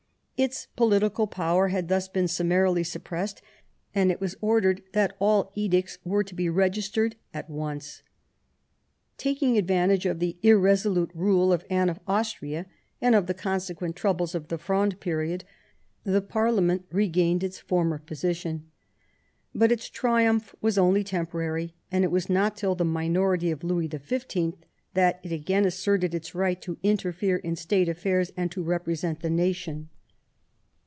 Its political power had thus been summarily suppressed, and it was ordered that all edicts were to be registered at onca Taking advantage of the irresolute rule of Anne of Austria, and of the consequent troubles of the Fronde period, the parlement regained its former position. But its triumph was only temporary, and it was not till the minority of Louis XV. that it again asserted its right to interfere in State affairs, and to represent the nation.